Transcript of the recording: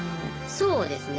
そうですね。